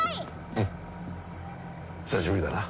うん久しぶりだな。